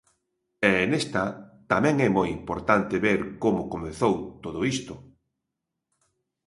E nesta tamén é moi importante ver como comezou todo isto.